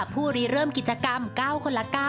รีเริ่มกิจกรรม๙คนละ๙